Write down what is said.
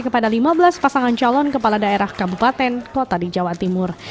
kepada lima belas pasangan calon kepala daerah kabupaten kota di jawa timur